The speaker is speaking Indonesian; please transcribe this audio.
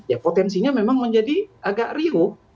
ya potensinya memang menjadi agak riuh